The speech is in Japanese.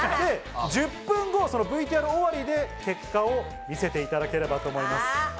１０分後、ＶＴＲ終わりで結果を見せていただければと思います。